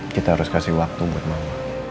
kita harus kasih waktu buat mau